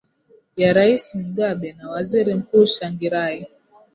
ya rais mugabe na waziri mkuu shangirai